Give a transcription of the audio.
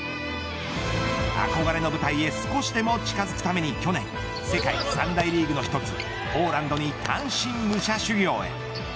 憧れの舞台へ少しでも近づくために去年世界三大リーグの１つポーランドに単身武者修行へ。